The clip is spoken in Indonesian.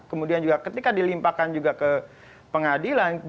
kemudian juga ketika dilimpahkan juga ke pengadilan